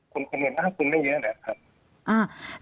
คุณคอมเมนต์มากคุณไม่เยอะนะครับ